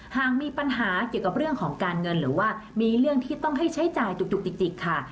หากมีปัญหาเกี่ยวกับเรื่องของการเงินหรือว่ามีเรื่องที่ต้องให้ใช้จ่ายจุกจิกค่ะ